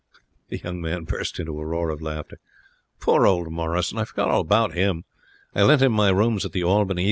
The young man burst into a roar of laughter. 'Poor old Morrison! I forgot all about him. I lent him my rooms at the Albany.